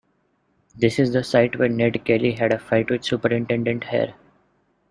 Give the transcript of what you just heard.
This is the site where Ned Kelly had a fight with Superintendent Hare.